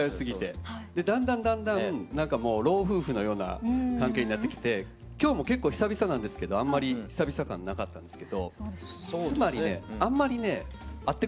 だんだんだんだん何かもう老夫婦のような関係になってきて今日も結構久々なんですけどあんまり久々感なかったですけどつまりねあんまりね会ってくれないんですよ。